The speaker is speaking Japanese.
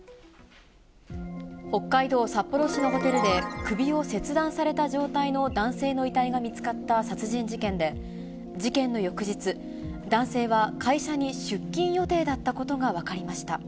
北海道札幌市のホテルで、首を切断された状態の男性の遺体が見つかった殺人事件で、事件の翌日、男性は会社に出勤予定だったことが分かりました。